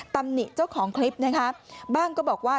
ตำหนิเจ้าของคลิปนะคะบ้างก็บอกว่า